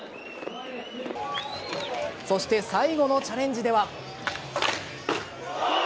そして最後のチャレンジでは。